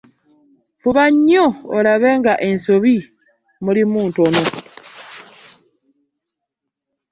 Fuba nnyo olabe nga ensobi mulimu ntono.